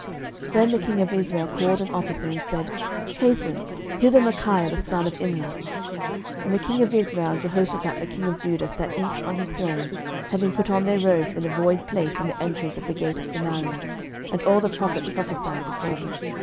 11:022:009 Then the king of Israel called an officer, and said, Hasten hither Micaiah the son of Imlah. 11:022:010 And the king of Israel and Jehoshaphat the king of Judah sat each on his throne, having put on their robes, in a void place in the entrance of the gate of Samaria; and all the prophets prophesied before them.